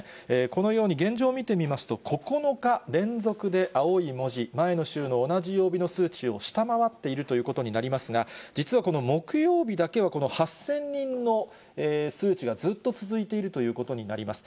このように現状を見てみますと、９日連続で青い文字、前の週の同じ曜日の数値を下回っているということになりますが、実はこの木曜日だけは、この８０００人の数値がずっと続いているということになります。